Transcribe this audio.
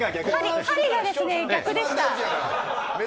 針が逆でした。